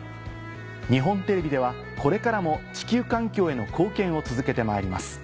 日本テレビではこれからも地球環境への貢献を続けてまいります。